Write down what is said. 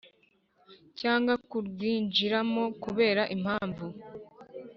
Cyangwa kurwinjiramo kubera impamvu